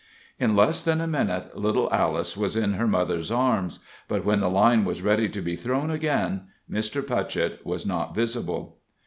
In less than a minute little Alice was in her mother's arms, but when the line was ready to be thrown again, Mr. Putchett was not visible.